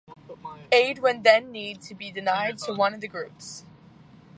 Aid when then need to be denied to one of the groups.